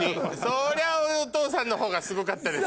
そりゃお父さんの方がすごかったですよ。